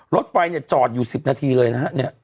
รถไฟเนี่ยจอดอยู่๑๐นาทีเลยนะฮะ